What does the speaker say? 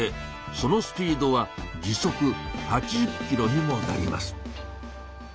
そのスピードは時速８０キロにもなります。